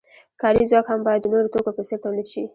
کاري ځواک هم باید د نورو توکو په څیر تولید شي.